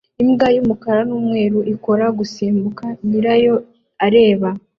Imbwa y'umukara n'umweru ikora gusimbuka nyirayo areba